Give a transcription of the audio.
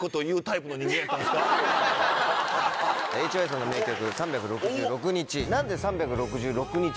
ＨＹさんの名曲『３６６日』。